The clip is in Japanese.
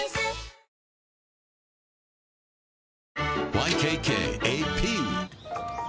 ＹＫＫＡＰ